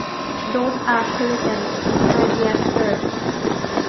Those are pelicans, my dear sir.